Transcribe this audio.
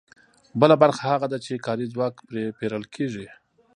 بله برخه هغه ده چې کاري ځواک پرې پېرل کېږي